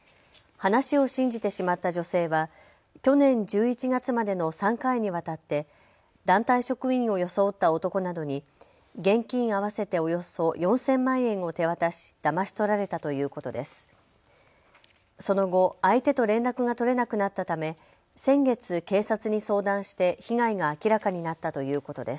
話を信じてしまった女性は去年１１月までの３回にわたって団体職員を装った男などに現金合わせておよそ４０００万円を手渡しだまし取られたということです。